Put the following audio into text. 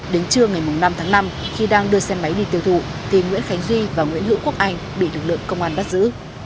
đến trưa ngày năm tháng năm khi đang đưa xe máy đi tiêu thụ thì nguyễn khánh duy và nguyễn hữu quốc anh bị lực lượng công an bắt giữ